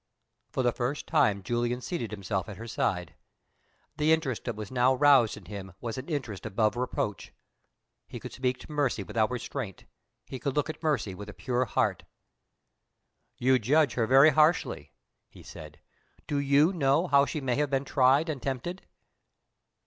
For the first time Julian seated himself at her side. The interest that was now roused in him was an interest above reproach. He could speak to Mercy without restraint; he could look at Mercy with a pure heart. "You judge her very harshly," he said. "Do you know how she may have been tried and tempted?"